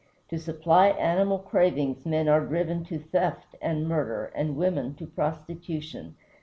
To supply animal cravings men are driven to theft and murder, and women to prostitution.